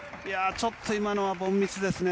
ちょっと今のは凡ミスですね。